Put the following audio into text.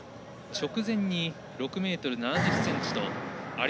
直前に６ｍ７０ｃｍとアリ・